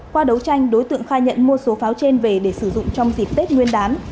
qua đấu tranh đối tượng khai nhận mua số pháo trên về để sử dụng trong dịp tết nguyên đán